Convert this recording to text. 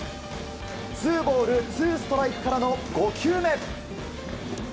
ツーボールツーストライクからの５球目。